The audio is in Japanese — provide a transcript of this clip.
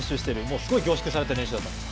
すごい凝縮された練習だと思います。